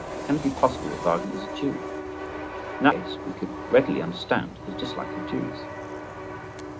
—But can it be possible that Wagner is a Jew? In that case we could readily understand his dislike of Jews.